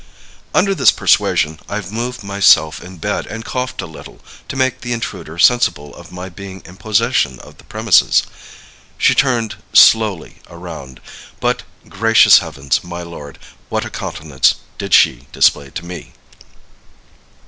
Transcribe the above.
"Under this persuasion I moved myself in bed and coughed a little, to make the intruder sensible of my being in possession of the premises. She turned slowly around, but, gracious heaven! my lord, what a countenance did she display to me!